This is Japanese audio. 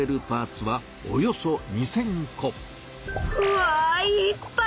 わいっぱい！